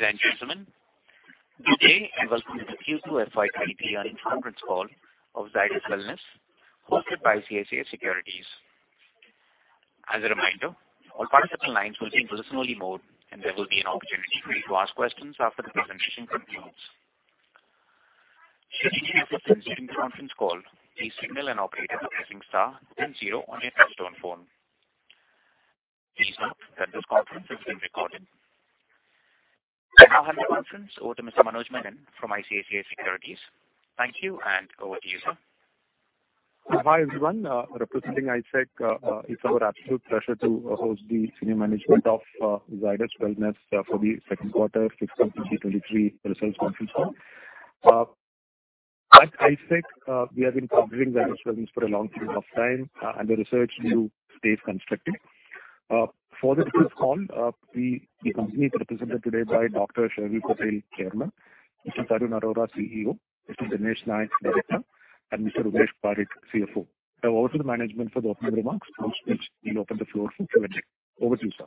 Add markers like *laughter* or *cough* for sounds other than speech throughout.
Ladies and gentlemen, good day, and welcome to the Q2 FY 2023 earnings conference call of Zydus Wellness hosted by ICICI Securities. As a reminder, all participant lines will be in listen-only mode, and there will be an opportunity for you to ask questions after the presentation concludes. If you have questions during the conference call, please signal an operator by pressing star then zero on your touchtone phone. Please note that this conference is being recorded. I now hand the conference over to Mr. Manoj Menon from ICICI Securities. Thank you, and over to you, sir. Hi, everyone, representing ISEC, it's our absolute pleasure to host the senior management of Zydus Wellness for the second quarter fiscal 2023 results conference call. At ISEC, we have been covering Zydus Wellness for a long period of time, and the research view stays constructive. For this call, the company is represented today by Dr. Sharvil Patel, Chairman, Mr. Tarun Arora, CEO, Mr. Ganesh Nayak, Director, and Mr. Umesh Parikh, CFO. I now hand over to the management for the opening remarks, after which we'll open the floor for Q&A. Over to you, sir.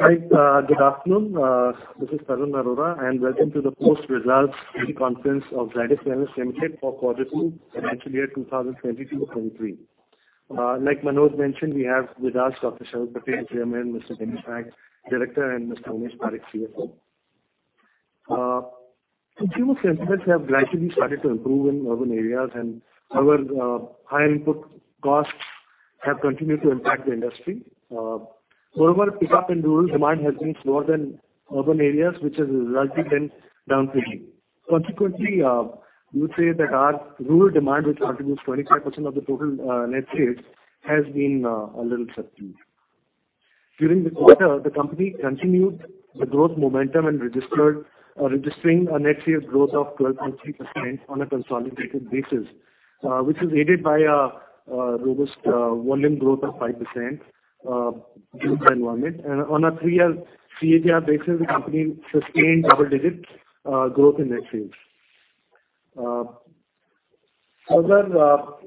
Hi, good afternoon. This is Tarun Arora, and welcome to the post-results conference of Zydus Wellness Limited for quarter two financial year 2022-2023. Like Manoj mentioned, we have with us Dr. Sharvil Patel, Chairman, Mr. Ganesh Nayak, Director, and Mr. Umesh Parikh, CFO. Consumer sentiments have gradually started to improve in urban areas, and however, high input costs have continued to impact the industry. Moreover, pickup in rural demand has been slower than urban areas, which has resulted in down trading. Consequently, you would say that our rural demand, which contributes 25% of the total, net sales, has been a little subdued. During the quarter, the company continued the growth momentum and registered a net sales growth of 12.3% on a consolidated basis, which is aided by a robust volume growth of 5% in the environment. On a three-year CAGR basis, the company sustained double-digit growth in net sales. Further,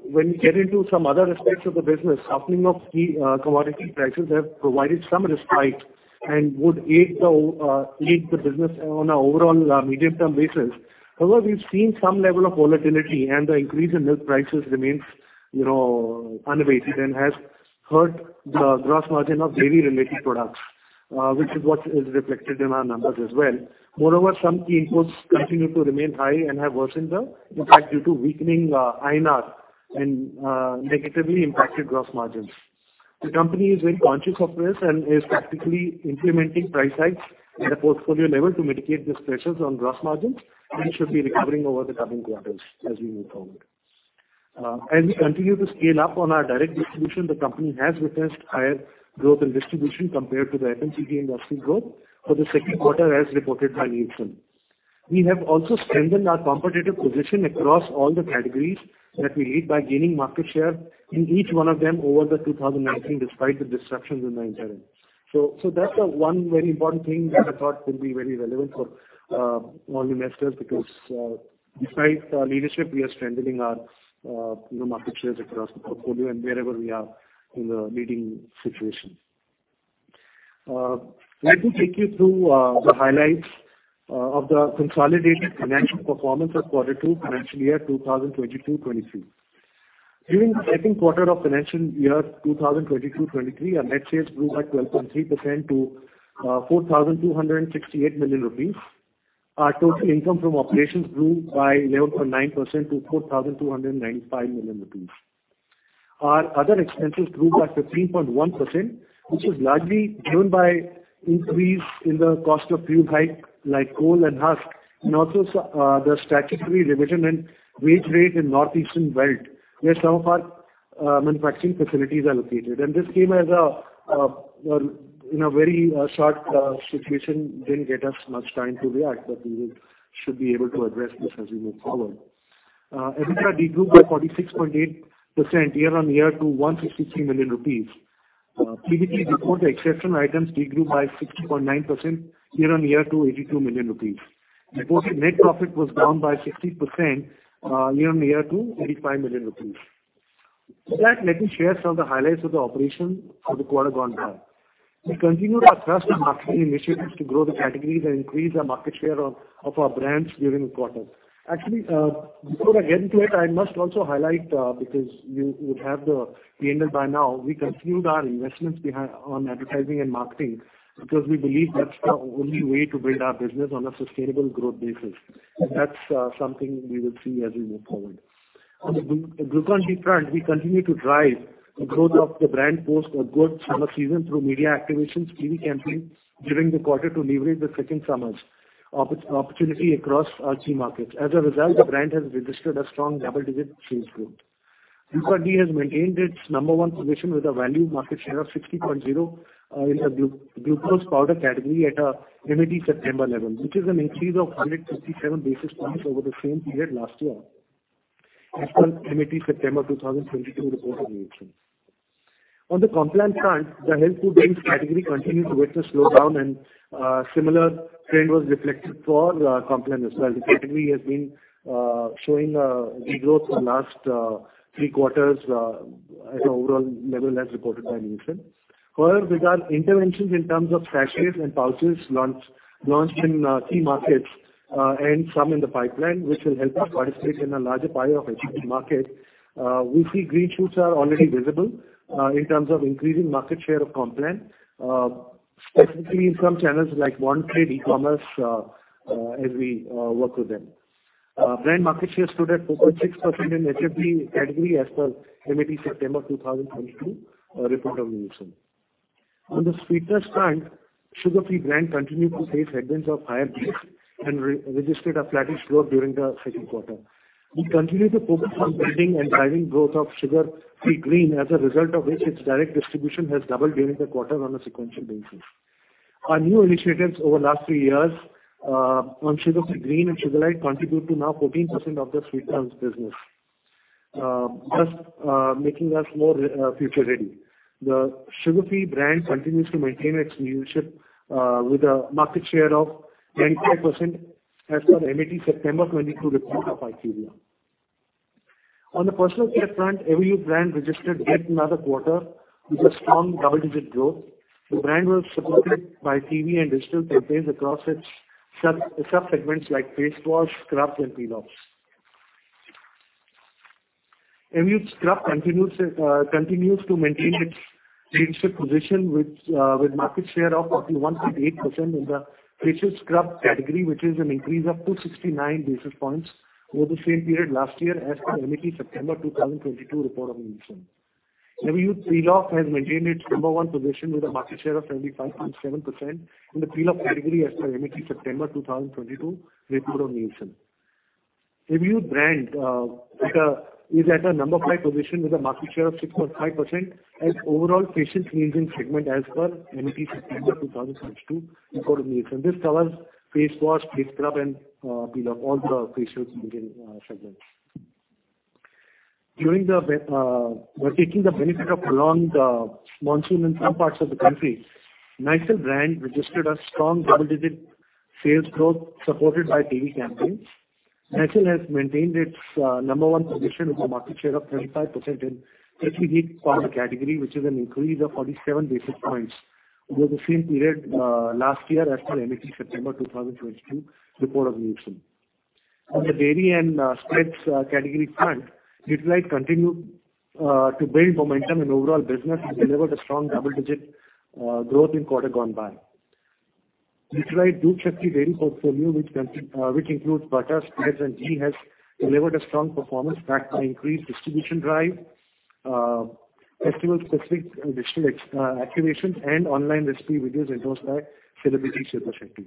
when you get into some other aspects of the business, softening of key commodity prices have provided some respite and would aid the business on an overall medium-term basis. However, we've seen some level of volatility, and the increase in milk prices remains, you know, unabated and has hurt the gross margin of dairy-related products, which is what is reflected in our numbers as well. Moreover, some key imports continue to remain high and have worsened the impact due to weakening INR and negatively impacted gross margins. The company is very conscious of this and is practically implementing price hikes at a portfolio level to mitigate these pressures on gross margins, and it should be recovering over the coming quarters as we move forward. As we continue to scale up on our direct distribution, the company has witnessed higher growth in distribution compared to the FMCG industry growth for the second quarter as reported by Nielsen. We have also strengthened our competitive position across all the categories that we lead by gaining market share in each one of them over 2019, despite the disruptions in interim. That's the one very important thing that I thought could be very relevant for all investors because, besides our leadership, we are strengthening our, you know, market shares across the portfolio and wherever we are in the leading situation. Let me take you through the highlights of the consolidated financial performance of quarter two financial year 2022-2023. During the second quarter of financial year 2022-2023, our net sales grew by 12.3% to 4,268 million rupees. Our total income from operations grew by 11.9% to 4,295 million rupees. Our other expenses grew by 15.1%, which is largely driven by increase in the cost of few items like coal and husk and also the statutory revision in wage rate in northeastern belt, where some of our manufacturing facilities are located. This came in a very short situation, didn't get us much time to react, but we should be able to address this as we move forward. EBITDA de grew by 46.8% year-on-year to 163 million rupees. PBT before the exceptional items de grew by 60.9% year-on-year to 82 million rupees. Reported net profit was down by 60% year-on-year to 85 million rupees. With that, let me share some of the highlights of the operation for the quarter gone by. We continued our thrust on marketing initiatives to grow the categories and increase our market share of our brands during the quarter. Actually, before I get into it, I must also highlight. We continued our investments on advertising and marketing because we believe that's the only way to build our business on a sustainable growth basis. That's something we will see as we move forward. On the Glucon-D front, we continue to drive the growth of the brand post a good summer season through media activations, TV campaigns during the quarter to leverage the second summer's opportunity across our key markets. As a result, the brand has registered a strong double-digit sales growth. Glucon-D has maintained its number one position with a value market share of 60.0% in the glucose powder category at a MAT September level, which is an increase of 157 basis points over the same period last year as per MAT September 2022 reported by Nielsen. On the Complan front, the health food drinks category continued with the slowdown and similar trend was reflected for our Complan as well. The category has been showing de-growth for the last three quarters at an overall level as reported by Nielsen. However, with our interventions in terms of sachets and pouches launched in key markets, and some in the pipeline, which will help us participate in a larger pie of HFD market, we see green shoots are already visible, in terms of increasing market share of Complan, specifically in some channels like modern trade e-commerce, as we work with them. Brand market share stood at 4.6% in HFD category as per MAT September 2022 report of Nielsen. On the sweeteners front, Sugar Free brand continued to face headwinds of higher base and re-registered a flattish growth during the second quarter. We continue to focus on building and driving growth of Sugar Free Green, as a result of which its direct distribution has doubled during the quarter on a sequential basis. Our new initiatives over last three years on Sugar Free Green and Sugar Lite contribute to now 14% of the sweeteners business, thus making us more future-ready. The Sugar Free brand continues to maintain its leadership with a market share of 24% as per MAT September 2022 report of IQVIA. On the Personal Care front, Everyuth brand registered yet another quarter with a strong double-digit growth. The brand was supported by TV and digital campaigns across its sub-subsegments like face wash, scrub, and peel-offs. Everyuth scrub continues to maintain its leadership position with market share of 41.8% in the facial scrub category, which is an increase of 269 basis points over the same period last year as per MAT September 2022 report of Nielsen. Everyuth Peel Off has maintained its number one position with a market share of 75.7% in the peel-off category as per MAT September 2022 report of Nielsen. Everyuth brand is at a number five position with a market share of 6.5% in overall facial cleansing segment as per MAT September 2022 report of Nielsen. This covers face wash, face scrub, and peel-off, all the facial cleansing segments. While taking the benefit of prolonged monsoon in some parts of the country, Nycil brand registered a strong double-digit sales growth supported by TV campaigns. Nycil has maintained its number one position with a market share of 25% in prickly heat category, which is an increase of 47 basis points over the same period last year as per MAT September 2022 report of Nielsen. On the dairy and spreads category front, Nutralite continued to build momentum in overall business and delivered a strong double-digit growth in quarter gone by. Nutralite DoodhShakti dairy portfolio, which includes butter, spreads, and ghee, has delivered a strong performance backed by increased distribution drive, festival-specific digital activations and online recipe videos endorsed by celebrity Sanjeev Kapoor.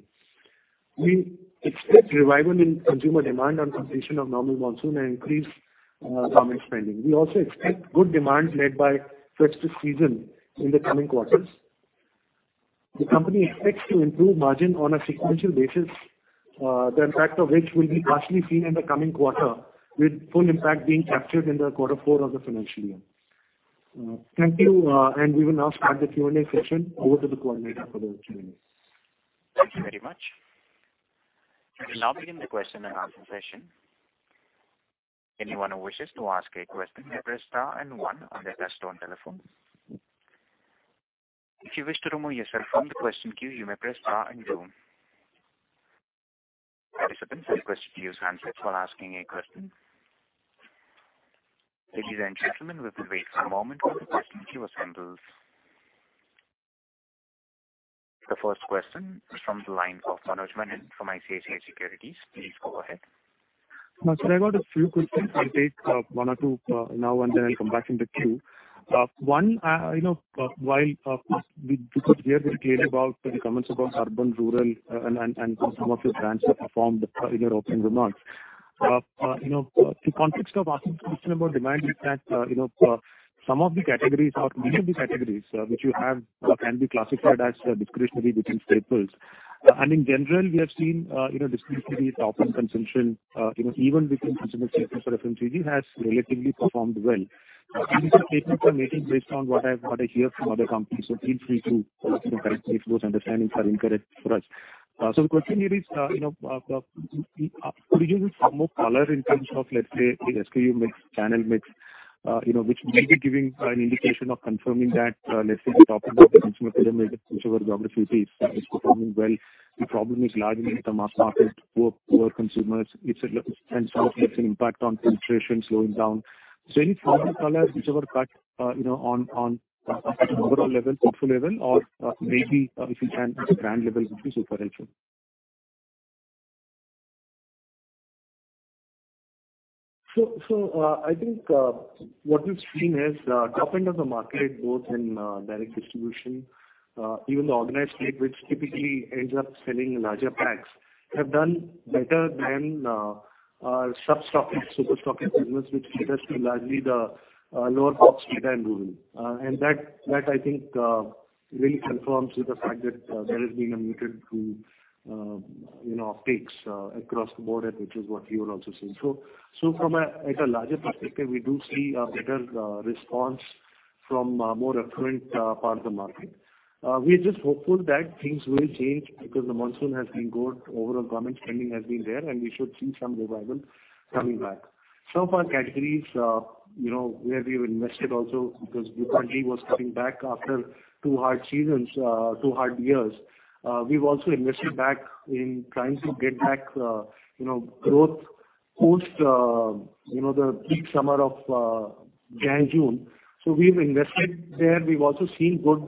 We expect revival in consumer demand on completion of normal monsoon and increased farm expenditure. We also expect good demand led by festive season in the coming quarters. The company expects to improve margin on a sequential basis, the impact of which will be partially seen in the coming quarter, with full impact being captured in the quarter four of the financial year. Thank you, we will now start the Q&A session. Over to the coordinator for the Q&A. Thank you very much. We'll now begin the question and answer session. Anyone who wishes to ask a question may press star and one on their desktop or telephone. If you wish to remove yourself from the question queue, you may press star and zero. Participants are requested to use handsets while asking a question. Ladies and gentlemen, we will wait a moment while the question queue assembles. The first question is from the line of Manoj Menon from ICICI Securities. Please go ahead. No, sir, I've got a few questions. I'll take one or two now and then I'll come back in the queue. One, you know, while we could hear very clearly about the comments about urban, rural, and how some of your brands have performed in your opening remarks. You know, the context of asking this question about demand is that, you know, some of the categories or many of the categories which you have can be classified as discretionary between staples. In general, we have seen, you know, discretionary top-end consumption, you know, even between consumer staples or FMCG, has relatively performed well. This is a statement for making based on what I hear from other companies, so feel free to, you know, correct me if those understandings are incorrect for us. The question here is, you know, could you give us some more color in terms of, let's say, the SKU mix, channel mix, you know, which may be giving an indication of confirming that, let's say the top end of the consumer pyramid whichever geography is performing well. The problem is largely with the mass market, poor consumers, it's an impact on inflation slowing down. Any further color whichever cut, you know, on, at an overall level, portfolio level or, maybe, if you can at a brand level which will be super helpful. I think what we've seen is the top end of the market, both in direct distribution, even the organized trade, which typically ends up selling larger packs, have done better than sub-stockist, super stockist business, which caters to largely the lower pops, beta and rural. That I think really confirms with the fact that there has been a muted mood, you know, takes across the board, and which is what you are also seeing. From a larger perspective, we do see a better response from more affluent parts of the market. We're just hopeful that things will change because the monsoon has been good. Overall government spending has been there, and we should see some revival coming back. Some of our categories, you know, where we've invested also because Glucon-D was coming back after two hard years. We've also invested back in trying to get back, you know, growth post, you know, the peak summer of Jan-June. We've invested there. We've also seen good,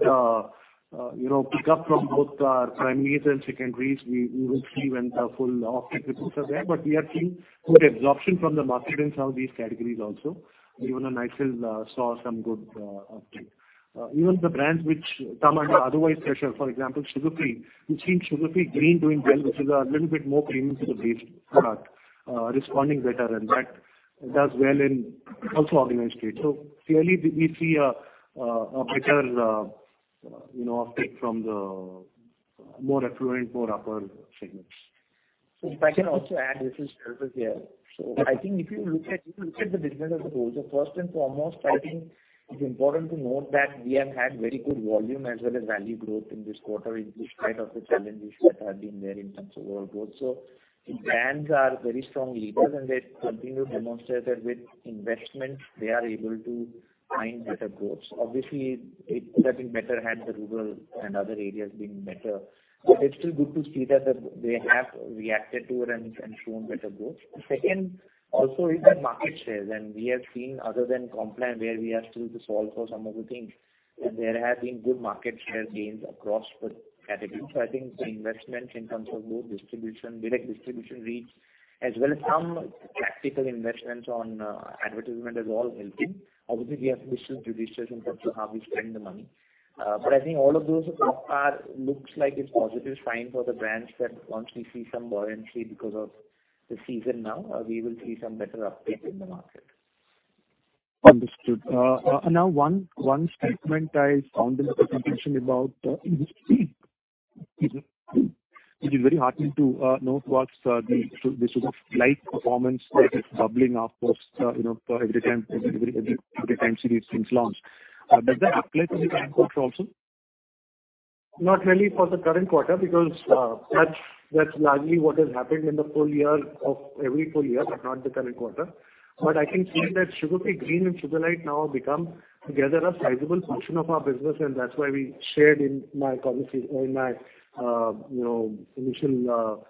you know, pick up from both our primaries and secondaries. We will see when the full offtake reports are there. We are seeing good absorption from the market in some of these categories also. Even Nycil saw some good uptake. Even the brands which come under otherwise pressure, for example, Sugar Free. We've seen Sugar Free Green doing well, which is a little bit more premium sort of based product, responding better and that does well in also organized trade. Clearly we see a better, you know, offtake from the more affluent, more upper segments. If I can also add, this is Sharvil Patel here. I think if you look at the business as a whole. First and foremost, I think it's important to note that we have had very good volume as well as value growth in this quarter in spite of the challenges that have been there in terms of overall growth. The brands are very strong leaders, and they continue to demonstrate that with investments they are able to find better growth. Obviously it could have been better had the rural and other areas been better, but it's still good to see that they have reacted to it and shown better growth. The second also is the market shares, and we have seen other than Complan, where we are still to solve for some of the things, and there have been good market share gains across the categories. I think the investments in terms of both distribution, direct distribution reach as well as some tactical investments on advertisement is all helping. Obviously, we have to be still judicious in terms of how we spend the money. I think all of those so far looks like it's positive sign for the brands that once we see some buoyancy because of the season now, we will see some better uptake in the market. Understood. Now one statement I found in the presentation about industry. It is very heartening to note this was a slight performance that is bubbling up post, you know, every time series since launch. Does that apply to the current quarter also? Not really for the current quarter, because that's largely what has happened in the full year of every full year, but not the current quarter. But I can say that Sugar Free Green and Sugar Lite now have become together a sizable portion of our business, and that's why we shared in my comments in my initial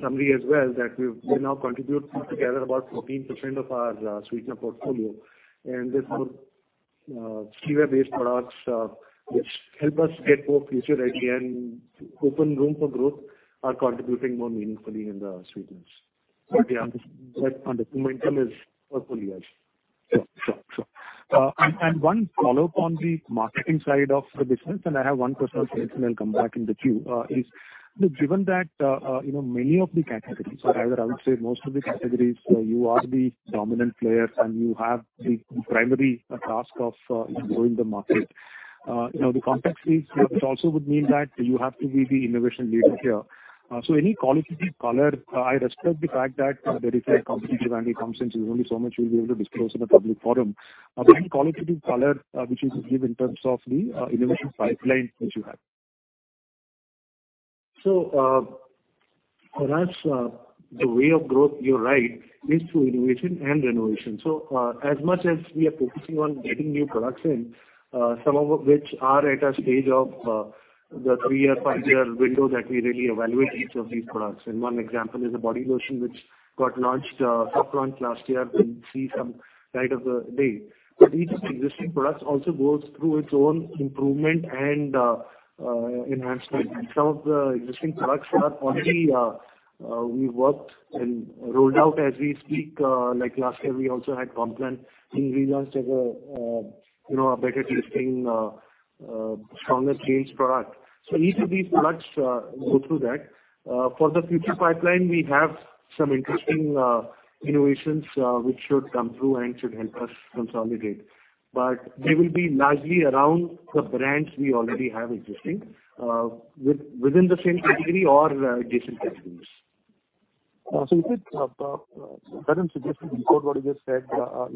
summary as well, that they now contribute together about 14% of our sweetener portfolio. These more stevia-based products, which help us get more future ready and open room for growth, are contributing more meaningfully in the sweeteners. Right. Understood. Momentum is for full years. Sure. One follow-up on the marketing side of the business, and I have one question for you, and then I'll come back in the queue. Given that, you know, many of the categories, or rather I would say most of the categories, you are the dominant player and you have the primary task of growing the market. You know, the context is, which also would mean that you have to be the innovation leader here. Any qualitative color. I respect the fact that there is a competitive angle comes in. There's only so much you'll be able to disclose in a public forum. Any qualitative color, which you could give in terms of the innovation pipeline that you have? For us, the way of growth, you're right, is through innovation and renovation. As much as we are focusing on getting new products in, some of which are at a stage of the three-year, five-year window that we really evaluate each of these products. One example is a body lotion which got launched upfront last year and see the light of the day. Each of the existing products also goes through its own improvement and enhancement. Some of the existing products are already we worked and rolled out as we speak. Like last year, we also had Complan being relaunched as a, you know, a better tasting stronger taste product. Each of these products go through that. For the future pipeline, we have some interesting innovations which should come through and should help us consolidate. They will be largely around the brands we already have existing within the same category or adjacent categories. Is it correct me if it isn't, what you just said,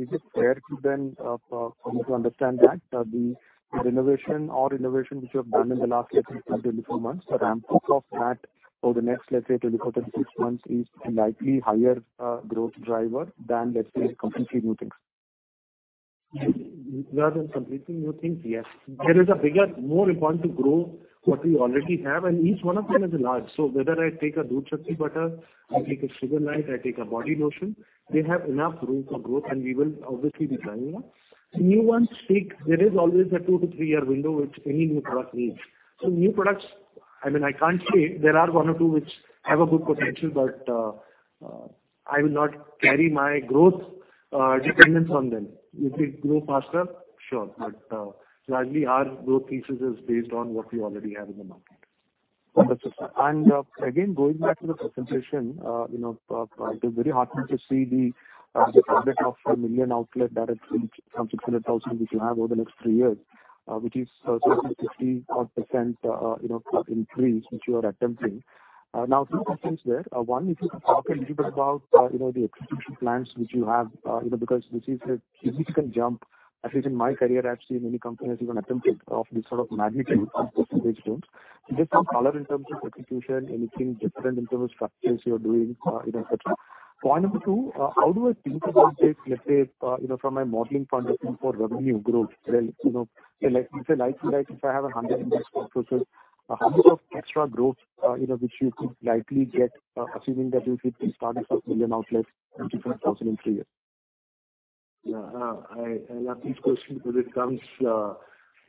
is it fair to then for me to understand that the renovation or innovation which you have done in the last, let's say 12-18 months, the ramp up of that over the next, let's say 12-36 months is a likely higher growth driver than, let's say completely new things? Rather than completely new things? Yes. There is a bigger, more important to grow what we already have, and each one of them is large. Whether I take a DoodhShakti butter, I take a Sugarlite, I take a body lotion, they have enough room for growth, and we will obviously be planning that. New ones take. There is always a two to three-year window which any new product needs. New products, I mean, I can't say there are one or two which have a good potential, but I will not carry my growth dependence on them. If they grow faster, sure. Largely our growth thesis is based on what we already have in the market. Understood, sir. Again, going back to the presentation, you know, it is very heartening to see the target of 1 million outlets that is from 600,000 which you have over the next three years. Which is 75%-odd, you know, increase which you are attempting. Now two questions there. One, if you could talk a little bit about, you know, the execution plans which you have. You know, because this is a significant jump, at least in my career, I've seen many companies even attempted of this sort of magnitude in percentage terms. Just some color in terms of execution, anything different in terms of structures you are doing, you know, et cetera. Point number two, how do I think about this, let's say, you know, from a modeling point of view for revenue growth, where, you know, like if likely right, if I have 100 index processes, how much of extra growth, you know, which you could likely get, assuming that you hit these 34 million outlets in the next three years? Yeah. I love these questions because it comes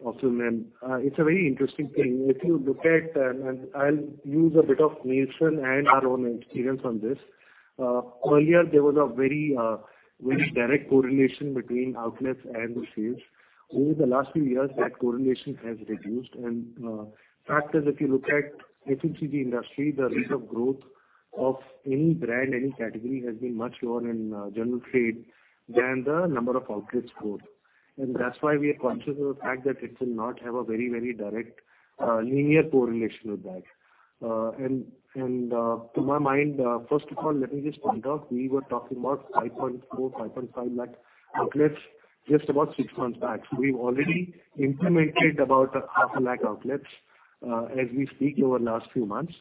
often, and it's a very interesting thing. If you look at, and I'll use a bit of Nielsen and our own experience on this. Earlier there was a very direct correlation between outlets and the sales. Over the last few years, that correlation has reduced, and factors, if you look at FMCG industry, the rate of growth of any brand, any category has been much lower in general trade than the number of outlets growth. That's why we are conscious of the fact that it will not have a very direct linear correlation with that. To my mind, first of all, let me just point out, we were talking about 5.4-5.5 lakh outlets just about six months back. We've already implemented about half a lakh outlets as we speak over last few months.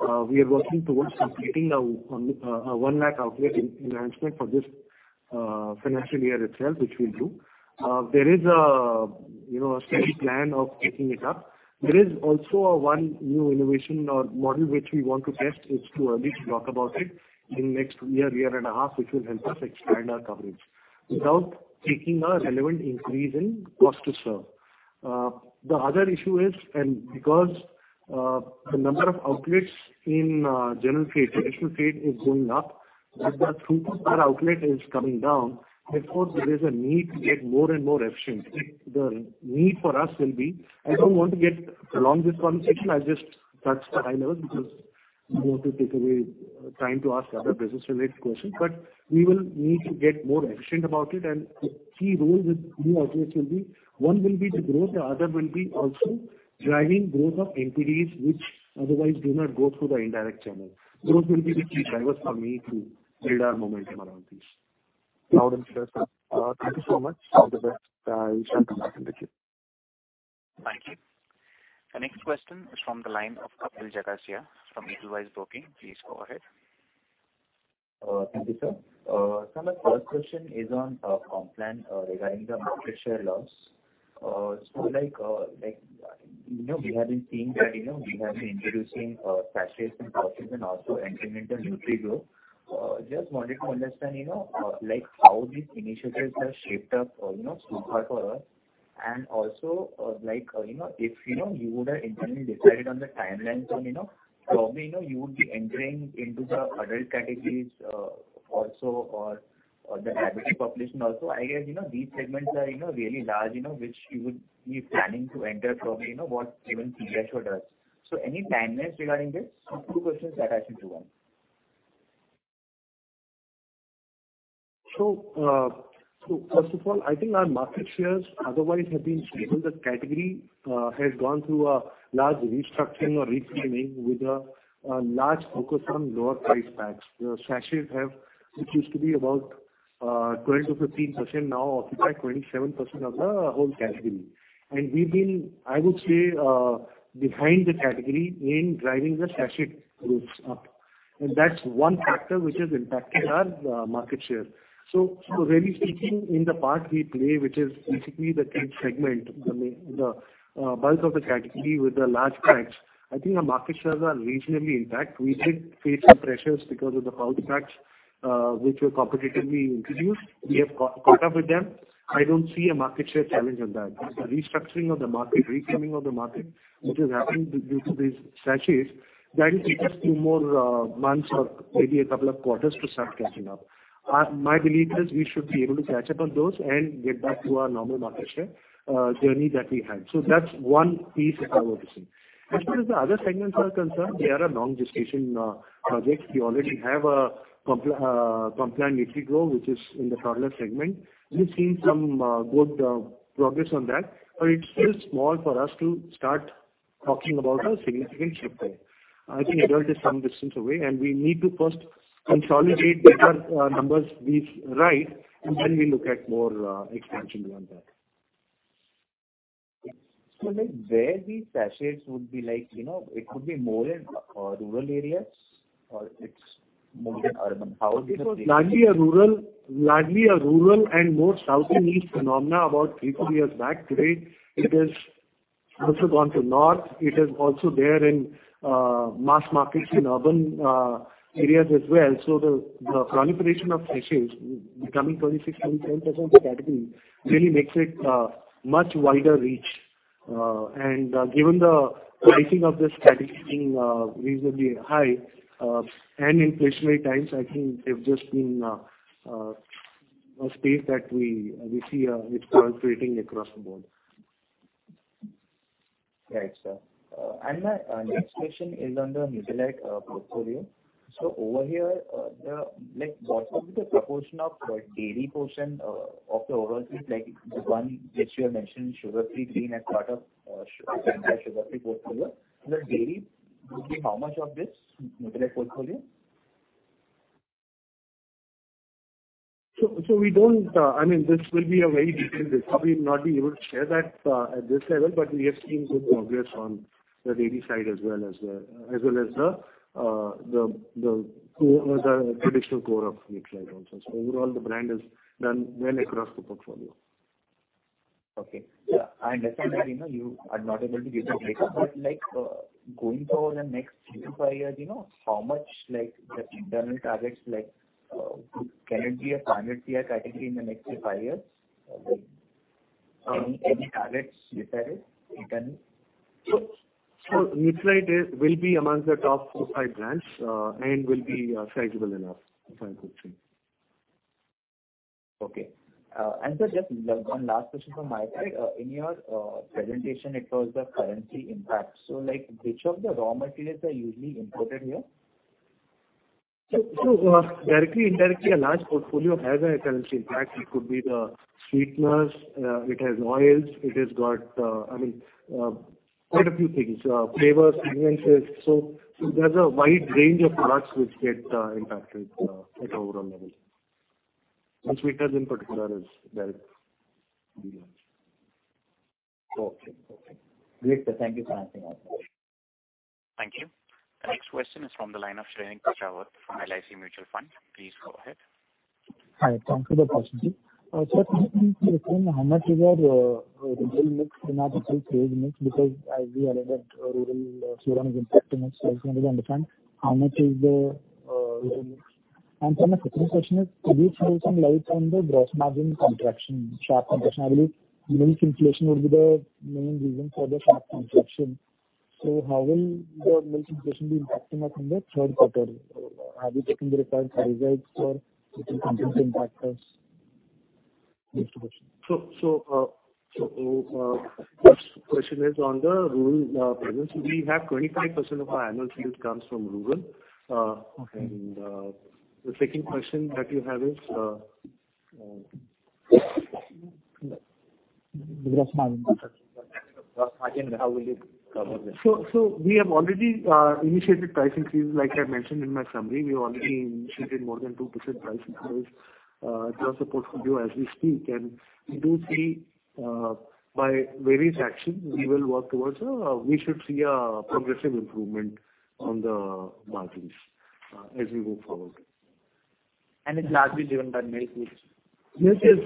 We are working towards completing a one lakh outlet enhancement for this financial year itself, which we'll do. There is, you know, a steady plan of keeping it up. There is also one new innovation or model which we want to test. It's too early to talk about it. In next year and a half, which will help us expand our coverage without taking a relevant increase in cost to serve. The other issue is because the number of outlets in general trade, traditional trade is going up, but the throughput per outlet is coming down. Therefore, there is a need to get more and more efficient. The need for us will be. I don't want to prolong this conversation. I'll just touch the highlights because I don't want to take away time to ask other business-related questions. We will need to get more efficient about it. The key role with new outlets will be, one will be the growth, the other will be also driving growth of entities which otherwise do not go through the indirect channel. Those will be the key drivers for me to build our momentum around these. Loud and clear, sir. Thank you so much. All the best. We shall come back and with you. Thank you. The next question is from the line of Kapil Jagasia from Edelweiss Broking. Please go ahead. Thank you, sir. Sir, my first question is on Complan, regarding the market share loss. Like, you know, we have been seeing that, you know, we have been introducing sachets and pouches and also entering into NutriGro. Just wanted to understand, you know, like how these initiatives have shaped up, you know, so far for us. And also, like, you know, if, you know, you would have internally decided on the timelines and, you know, probably, you know, you would be entering into the adult categories also or the elderly population also. I guess, you know, these segments are, you know, really large, you know, which you would be planning to enter probably, you know, what, even three years or less. Any timelines regarding this? Two questions attached into one? First of all, I think our market shares otherwise have been stable. The category has gone through a large restructuring or reframing with a large focus on lower price packs. The sachets, which used to be about 20%-15%, now occupy 27% of the whole category. We've been, I would say, behind the category in driving the sachet growth up. That's one factor which is impacting our market share. Really speaking in the part we play, which is basically the kid segment, the bulk of the category with the large packs, I think our market shares are reasonably intact. We did face some pressures because of the pouch packs, which were competitively introduced. We have caught up with them. I don't see a market share challenge on that. The restructuring of the market, reframing of the market, which is happening due to these sachets, that will take us two more months or maybe a couple of quarters to start catching up. My belief is we should be able to catch up on those and get back to our normal market share journey that we had. That's one piece if I were to say. As far as the other segments are concerned, they are a long gestation projects. We already have a Complan NutriGro, which is in the toddler segment. We've seen some good progress on that, but it's still small for us to start talking about a significant shift there. I think adult is some distance away, and we need to first consolidate the current numbers we've got right, and then we look at more expansion beyond that. Like where these sachets would be like, you know, it could be more in rural areas or it's more in urban houses? It was largely a rural and more southeast phenomena about 3-4 years back. Today, it has also gone to north. It is also there in mass markets in urban areas as well. The proliferation of sachets becoming 26.7% of the category really makes it much wider reach. Given the pricing of this category being reasonably high and inflationary times, I think they've just been a space that we see it's infiltrating across the board. Right, sir. My next question is on the Nutralite portfolio. Over here, like what would be the proportion of the dairy portion of the overall treat, like the one which you have mentioned Sugar Free cream as part of Sugar Free portfolio. The dairy would be how much of this Nutralite portfolio? I mean, this will be a very detailed discussion. We'll not be able to share that at this level, but we have seen good progress on the dairy side as well as the core, the traditional core of Nutralite also. Overall, the brand has done well across the portfolio. Okay. Yeah. I understand that, you know, you are not able to give the data. Like, going forward the next three to five years, you know, how much, like the internal targets, like, can it be a standard tier category in the next three to five years? Any targets decided internally? Nutralite will be among the top four, five brands and will be sizable enough as a portfolio. Okay. Sir, just one last question from my side. In your presentation it shows the currency impact. Like, which of the raw materials are usually imported here? Directly, indirectly, a large portfolio has a currency impact. It could be the sweeteners, it has oils, it has got, I mean, quite a few things, flavors, fragrances. There's a wide range of products which get impacted at overall level. Sweeteners in particular is very Okay. Great, sir. Thank you for answering our questions. Thank you. The next question is from the line of Shrenik Bachhawat from LIC Mutual Fund. Please go ahead. Hi, thank you for the opportunity. Sir, can you please explain how much is your rural mix compared to total sales mix? Because as we all know that rural demand is impacting us, so we can really understand how much is the rural mix. My second question is, could you throw some light on the gross margin contraction, sharp contraction? I believe milk inflation would be the main reason for the sharp contraction. How will the milk inflation be impacting us in the third quarter? Have you taken the required price hikes or which are the factors? Next question. First question is on the rural presence. We have 25% of our annual sales comes from rural. Okay. The second question that you have is? The gross margin. Gross margin, how will you cover that? We have already initiated price hikes, like I mentioned in my summary. We already initiated more than 2% price increase across portfolio as we speak. We do see by various actions we will work towards, we should see a progressive improvement on the margins as we move forward. It's largely driven by milk mix. Milk is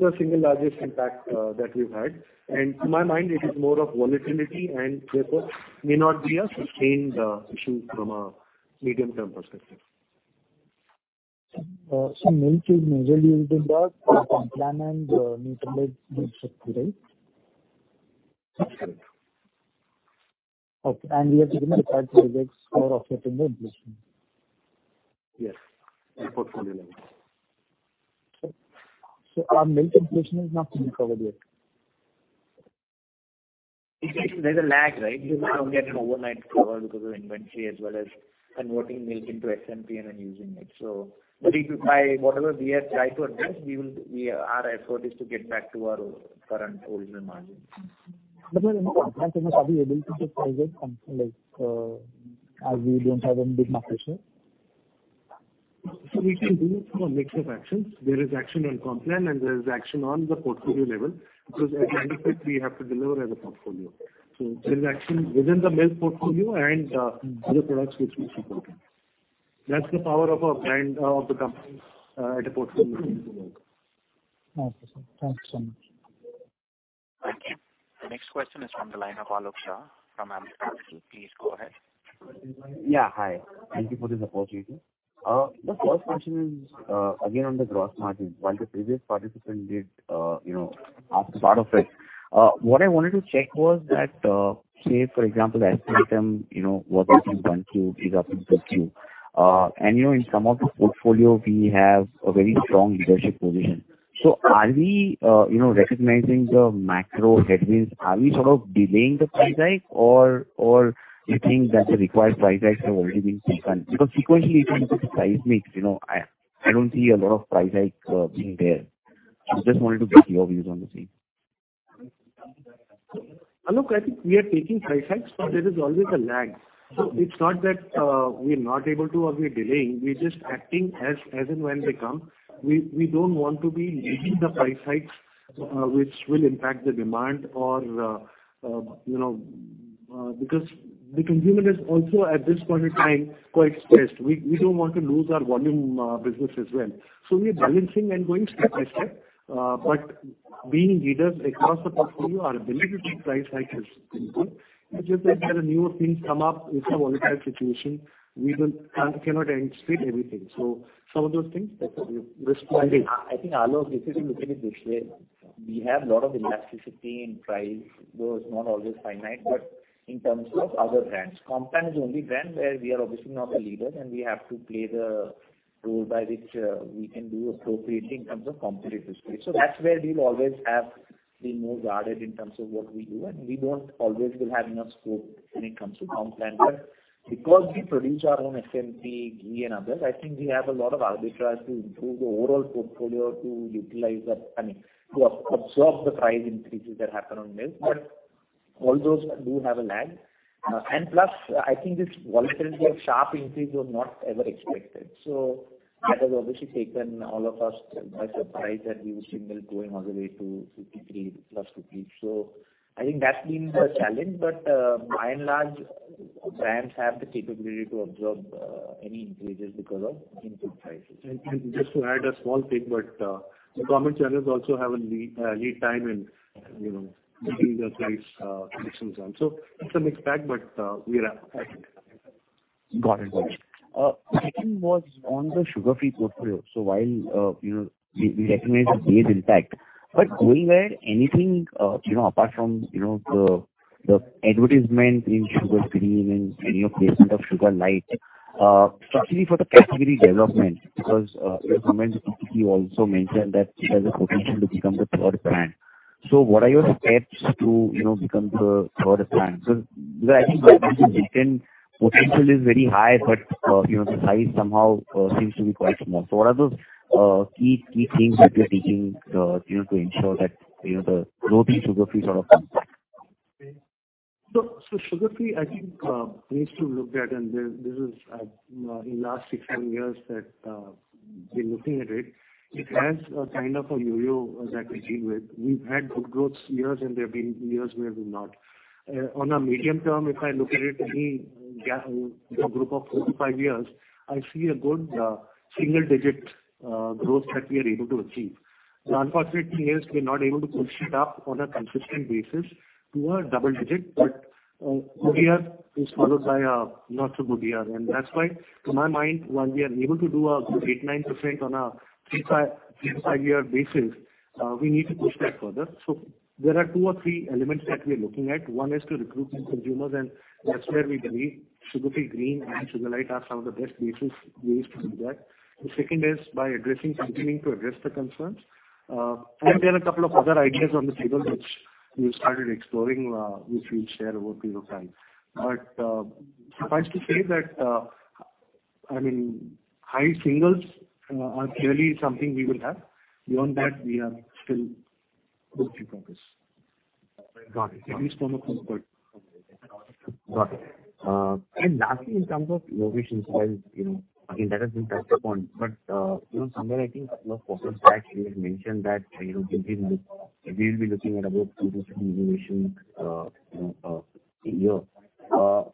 the single largest impact that we've had. To my mind, it is more of volatility and therefore may not be a sustained issue from a medium-term perspective. Milk is majorly used in the Complan and Nutralite DoodhShakti, right? That's correct. Okay, you have taken the price hikes for offsetting the inflation. Yes. At portfolio level. Our milk inflation is not fully covered yet. There's a lag, right? You don't get an overnight cover because of inventory as well as converting milk into SMP and then using it. If by whatever we have tried to adjust, we will. Our effort is to get back to our current original margin. Are we able to take price hikes, like, as we don't have any big market share? We can do it through a mix of actions. There is action on Complan, and there is action on the portfolio level, because at the end of it, we have to deliver as a portfolio. There's action within the milk portfolio and other products which we support. That's the power of a brand of the company at a portfolio level. Okay, sir. Thanks so much. Thank you. The next question is from the line of Alok Shah from Ambit Capital. Please go ahead. Yeah, hi. Thank you for this opportunity. The first question is, again, on the gross margin. While the previous participant did, you know, ask part of it, what I wanted to check was that, say for example, Aspartame, you know, was at 1Q, is up in 3Q. In some of the portfolio we have a very strong leadership position. So are we, you know, recognizing the macro headwinds? Are we sort of delaying the price hike or you think that the required price hikes have already been taken? Because sequentially it is a seismic, you know, I don't see a lot of price hike being there. Just wanted to get your views on the same? Alok, I think we are taking price hikes, but there is always a lag. It's not that we're not able to or we're delaying. We're just acting as and when they come. We don't want to be leading the price hikes, which will impact the demand or you know, because the consumer is also, at this point in time, quite stressed. We don't want to lose our volume business as well. We are balancing and going step by step. Being leaders across the portfolio, our ability to take price hike is simple. It's just that when a newer thing come up, it's a volatile situation. We cannot anticipate everything. Some of those things, that's why we're responding. I think, Alok, this is looking at this way. We have lot of elasticity in price, though it's not always finite, but in terms of other brands. Complan is the only brand where we are obviously not the leader, and we have to play the role by which we can do appropriately in terms of competitive space. That's where we will always have been more guarded in terms of what we do, and we don't always will have enough scope when it comes to Complan. Because we produce our own SMP, ghee and others, I think we have a lot of arbitrage to improve the overall portfolio to utilize that. I mean, to absorb the price increases that happen on milk. All those do have a lag. Plus, I think this volatility of sharp increase was not ever expected. That has obviously taken all of us by surprise that we've seen milk going all the way to 53+. I think that's been the challenge. By and large, brands have the capability to absorb any increases because of input prices. Just to add a small thing, but the comment channels also have a lead time in, you know, giving their price conditions on. It's a mixed bag, but we are at it. Got it. Got it. Second was on the Sugar Free portfolio. While, you know, we recognize the base impact, but going ahead, anything, you know, apart from, you know, the advertisement in Sugar Free and any replacement of Sugar Lite, especially for the category development, because, your comments, you also mentioned that it has a potential to become the third brand. What are your steps to, you know, become the third brand? I think potential is very high, but, you know, the size somehow, seems to be quite small. What are those, key things that you're taking, you know, to ensure that, you know, the growth in Sugar Free sort of comes in? Sugar Free, I think, needs to look at, and this is in last six to seven years that we're looking at it has a kind of a yo-yo that we deal with. We've had good growth years, and there have been years where we've not. On a medium term, if I look at it, any gap of four to five years, I see a good single-digit growth that we are able to achieve. The unfortunate thing is we're not able to push it up on a consistent basis to a double-digit. Good year is followed by a not so good year. That's why, to my mind, while we are able to do a good 8%-9% on a three to five-year basis, we need to push that further. There are two or three elements that we are looking at. One is to recruit new consumers, and that's where we believe Sugar Free Green and Sugar Lite are some of the best ways to do that. The second is by continuing to address the concerns. There are a couple of other ideas on the table which we started exploring, which we'll share over a period of time. Suffice to say that, I mean, high singles are clearly something we will have. Beyond that, we are still work in progress. Got it. At least from a.. Got it. And lastly, in terms of innovations, while you know, I think that has been touched upon, but you know, somewhere I think you had mentioned that, you know, we'll be looking at about two to three innovations a year.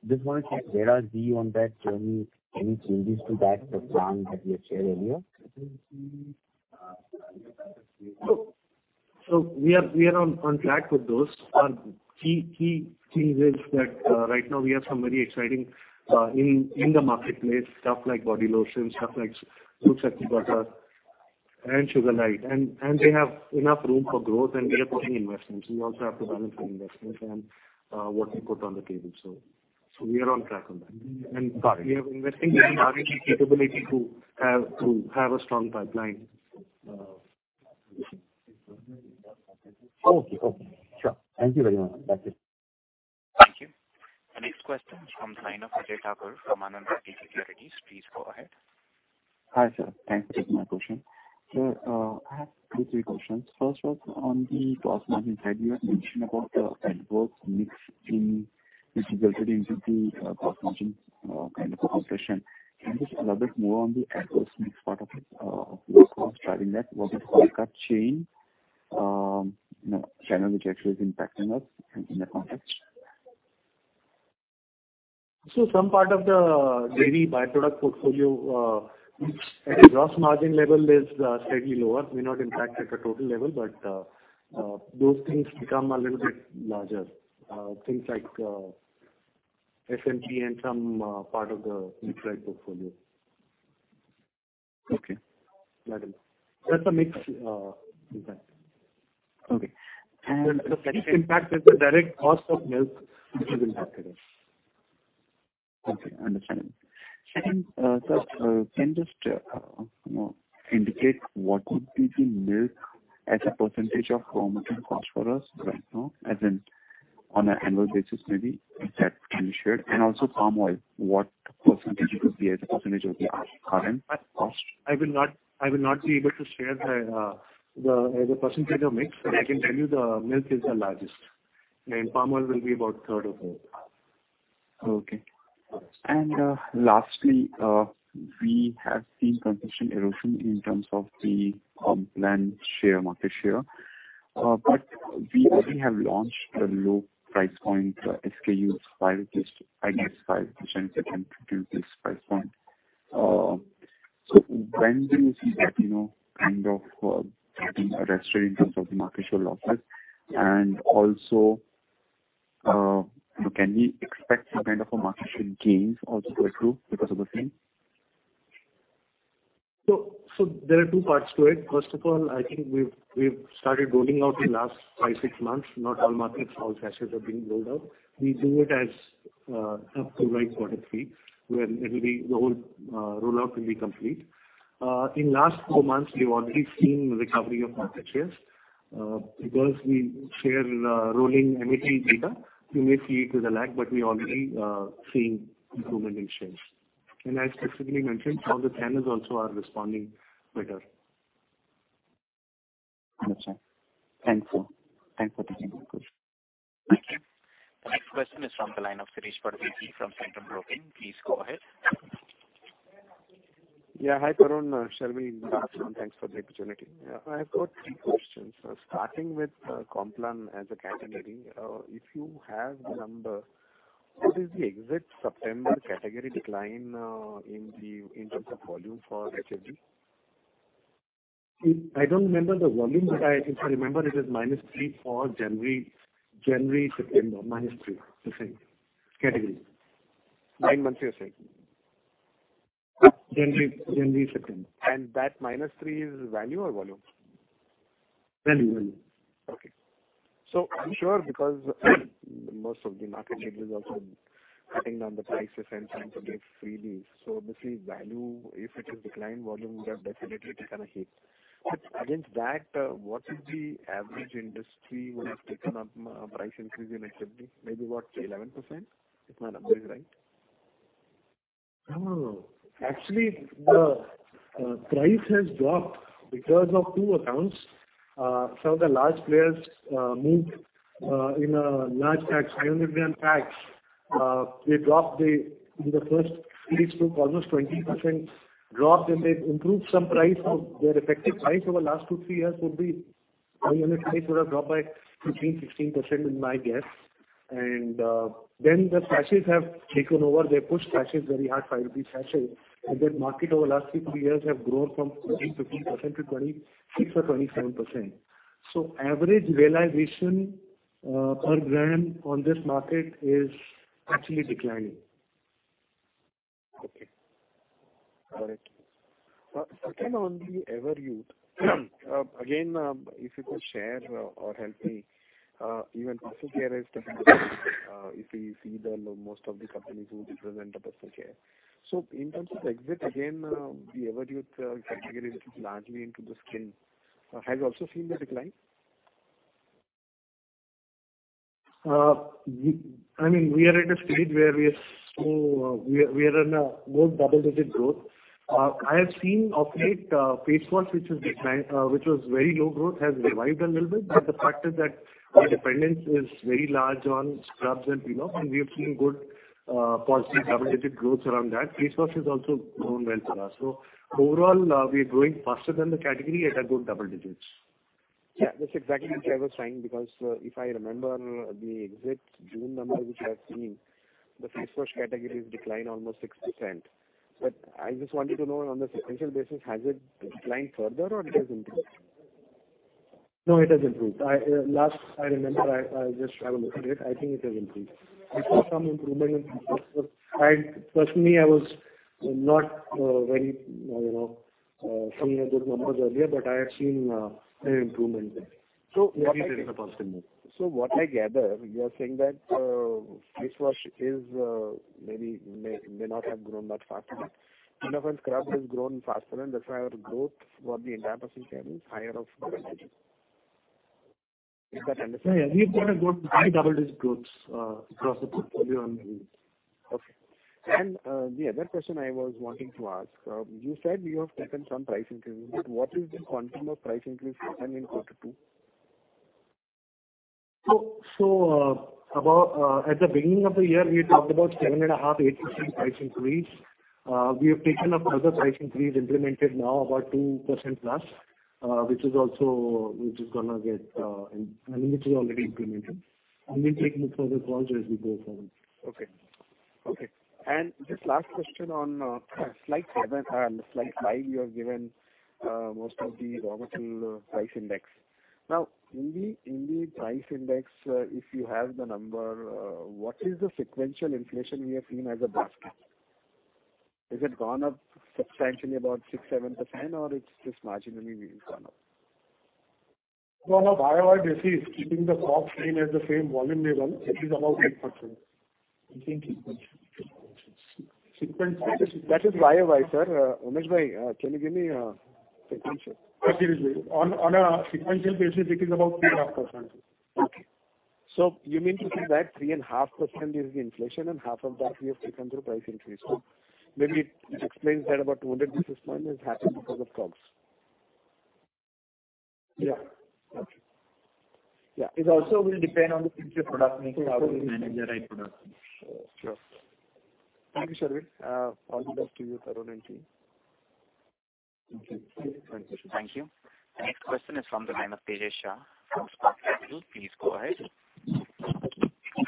Just want to check where are we on that journey? Any changes to that plan that you had shared earlier? We are on track with those. The key thing is that right now we have some very exciting in the marketplace stuff like body lotion, stuff like DoodhShakti butter and Sugar Lite. They have enough room for growth and we are putting investments. We also have to balance our investments and what we put on the table. We are on track on that. Got it. We are investing in R&D capability to have a strong pipeline. Okay. Sure. Thank you very much. That's it. Thank you. The next question is from Ajay Thakur from Anand Rathi Securities. Please go ahead. Hi, sir. Thanks for taking my question. Sir, I have two, three questions. First was on the gross margin side, you had mentioned about the product mix in, which resulted into the gross margin, kind of a compression. Can you just elaborate more on the product mix part of it, that's driving that? Was it supply chain, you know, channel mix is impacting us in that context? Some part of the dairy by-product portfolio at a gross margin level is slightly lower. May not impact at a total level, but those things become a little bit larger. Things like SMP and some part of the liquid portfolio. Okay. Got it. That's a mix, impact. Okay. The peak impact is the direct cost of milk, which impacts us. Okay, understanding. Second, sir, can you just, you know, indicate what would be the milk as a percentage of raw material cost for us right now, as in on an annual basis, maybe if that can be shared. Also palm oil, what percentage it would be as a percentage of the current cost? I will not be able to share the percentage of mix, but I can tell you the milk is the largest, and palm oil will be about a third of that. Okay. Lastly, we have seen consistent erosion in terms of the Complan market share. We already have launched the low price point SKUs, while it is, I guess, 5% attempt to do this price point. When do you see that, you know, kind of, something arrested in terms of market share losses? Can we expect some kind of a market share gains also going through because of the same? There are two parts to it. First of all, I think we've started rolling out in the last five, six months. Not all markets, all sachets are being rolled out. We do it as up to Q3, when the whole rollout will be complete. In last four months, we've already seen recovery of market shares, because we share rolling MAT data. You may see it with a lag, but we already seeing improvement in shares. I specifically mentioned all the channels also are responding better. Understood. Thanks, sir. Thanks for taking my call. Thank you. The next question is from the line of Shirish Pardeshi from Centrum Broking. Please go ahead. Yeah. Hi, Tarun. Sharvil. Good afternoon. Thanks for the opportunity. I've got three questions. Starting with Complan as a category, if you have the number, what is the ex-September category decline in terms of volume for HFD? I don't remember the volume, but if I remember, it is -3% for January to September, -3% category. Nine months, you're saying? January to September. That -3% is value or volume? Value. I'm sure because most of the market leaders also cutting down the prices and some give freely. This is value. If it is declined, volume would have definitely taken a hit. Against that, what is the average industry would have taken up, price increase in HFD? Maybe about 11%, if my number is right? No. Actually, the price has dropped because of 2 accounts. Some of the large players moved in a large pack, 500-gram packs. In the first 3 weeks took almost 20% drop. Then they improved some price. Now, their effective price over the last 2-3 years would be 500 grams would have dropped by 15%-16% is my guess. Then the sachets have taken over. They pushed sachets very hard, 5 rupees sachets. Their market over the last 2-3 years have grown from 13%-15% to 26% or 27%. Average realization per gram on this market is actually declining. Okay. Got it. Second, on the Everyuth, again, if you could share or help me, even personal care has definitely if we see most of the companies who represent the personal care. In terms of EBIT, again, the Everyuth category which is largely into the skincare, have you also seen the decline? I mean, we are at a stage where we are in a more double-digit growth. I have seen of late, face wash, which has declined, which was very low growth, has revived a little bit. The fact is that our dependence is very large on scrubs and peel-off, and we have seen good, positive double-digit growth around that. Face wash has also grown well for us. Overall, we are growing faster than the category at a good double digits. Yeah, that's exactly which I was trying, because, if I remember the exit June number, which I have seen, the face wash category has declined almost 6%. I just wanted to know on the sequential basis, has it declined further or it has improved? No, it has improved. Last I remember, I just have a look at it. I think it has improved. We saw some improvement in face wash. Personally, I was not very, you know, keen on those numbers earlier, but I have seen an improvement there. What I- Okay. There is a possibility. What I gather, you are saying that face wash is maybe may not have grown that faster, but peel-off and scrub has grown faster, and that's why our growth for the entire personal care is higher of double digit. Is that understanding? Yeah. We've got a good high double-digit growth across the category on Everyuth. Okay. The other question I was wanting to ask, you said you have taken some price increases, but what is the quantum of price increase planned in quarter two? At the beginning of the year, we had talked about 7.5%-8% price increase. We have taken up further price increase implemented now about 2%+, which is gonna get implemented, I mean, which is already implemented, and we'll take more further calls as we go forward. Okay. Just last question on slide seven, slide five, you have given most of the raw material price index. Now, in the price index, if you have the number, what is the sequential inflation we have seen as a basket? Is it gone up substantially about 6%-7% or it's just marginally we've gone up? Gone up YoY basis, keeping the COGS same at the same volume level, it is about 8%. I think sequential. Sequential. That is YoY, sir. Umesh Parikh, can you give me sequential? Seriously, on a sequential basis, it is about 3.5%. Okay. You mean to say that 3.5% is the inflation and half of that we have taken through price increase. Maybe it explains that about 200 basis points has happened because of COGS. Yeah. Okay. Yeah. It also will depend on the future product mix, how we manage the right product mix. Sure. Thank you, Sharvil. All the best to you, Tarun, and team. Thank you. Thank you. The next question is from the line of Tejash Shah from Spark Capital. Please go ahead.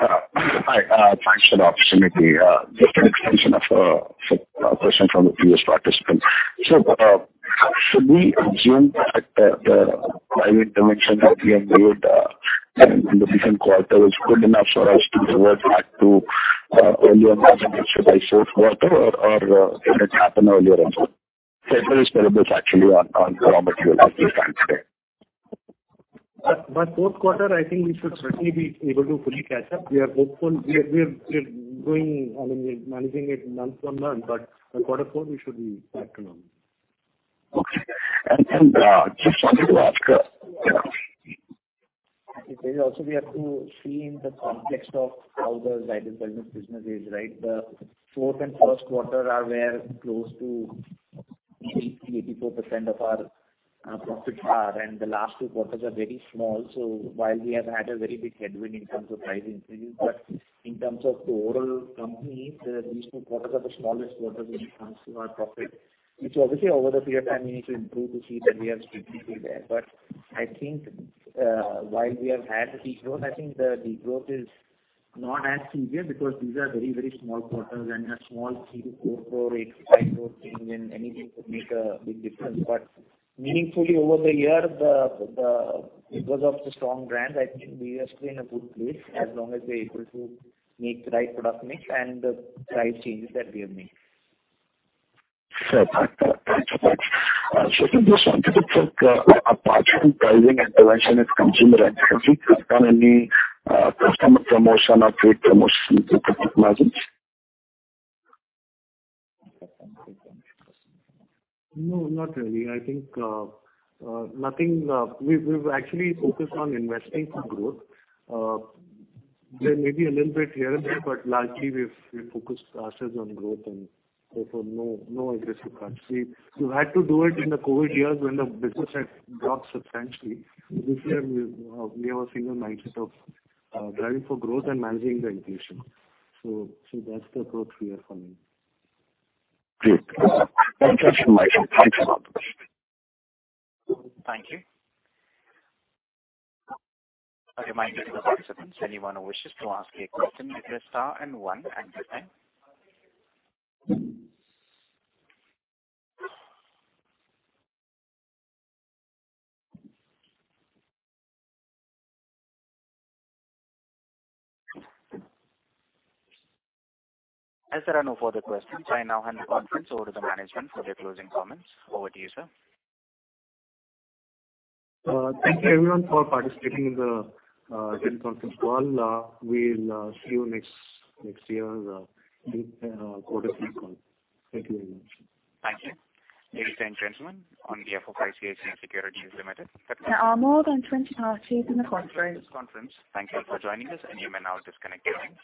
Hi. Thanks for the opportunity. Just an extension of a question from the previous participant. Should we assume the fact that the private investment that we have made? In the second quarter was good enough for us to revert back to earlier margin mix by fourth quarter or can it happen earlier also? Several variables actually aren't prominent at this time today? By fourth quarter, I think we should certainly be able to fully catch up. We are hopeful. We are going, I mean, we're managing it month-to-month, but by quarter four we should be back to normal. Okay. Just wanted to ask, It is also we have to see in the context of how the consumer business is, right? The fourth and first quarter are where close to 84% of our profits are, and the last two quarters are very small. While we have had a very big headwind in terms of price increases, in terms of the overall company, these two quarters are the smallest quarters when it comes to our profit, which obviously over the period time we need to improve to see that we are strategically there. I think while we have had the de-growth, the de-growth is not as severe because these are very, very small quarters and a small 3-4 crore, 8-5 crore change in anything could make a big difference. Meaningfully over the year, theBecause of the strong brands, I think we are still in a good place as long as we're able to make the right product mix and the right changes that we have made. Fair. Thank you. Thanks. Sharvil, just wanted to check, apart from pricing intervention at consumer end, have you cut down any, customer promotion or trade promotion to the margins? No, not really. I think nothing. We've actually focused on investing for growth. There may be a little bit here and there, but largely we've focused assets on growth and therefore no aggressive cuts. We had to do it in the COVID years when the business had dropped substantially. This year we have a single mindset of driving for growth and managing the inflation. That's the approach we are following. Great. Thank you so much. Thanks a lot. Thank you. A reminder to the participants, anyone who wishes to ask a question, you press star and one at this time. As there are no further questions, I now hand the conference over to the management for their closing comments. Over to you, sir. Thank you everyone for participating in the earnings conference call. We'll see you next year with quarter three calls. Thank you very much. Thank you. Ladies and gentlemen, on behalf of ICICI Securities Limited. *crosstalk* this conference. Thank you for joining us, and you may now disconnect your lines.